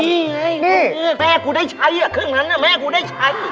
นี่ไงแม่กูได้ใช้ครึ่งนั้นแม่กูได้ใช้